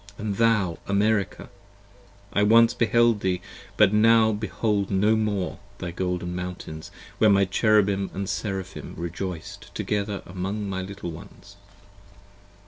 And thou, America! I once beheld thee but now behold no more Thy golden mountains where my Cherubim & Seraphim rejoic'd 55 Together among my little ones.